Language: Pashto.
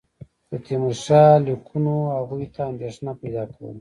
د تیمورشاه لیکونو هغوی ته اندېښنه پیدا کوله.